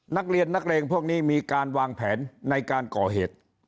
นักเรียนนักเลงพวกนี้มีการวางแผนในการก่อเหตุ